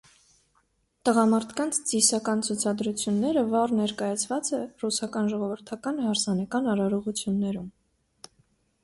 Տղամարդկանց ծիսական ցուցադրությունները վառ ներկայացված է ռուսական ժողովրդական հարսանեկան արարողություններում։